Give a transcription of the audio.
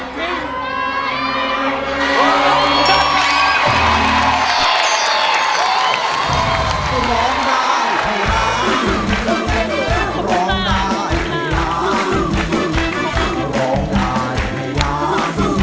มูลค่าสองหมื่นบาท